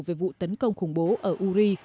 về vụ tấn công khủng bố ở uri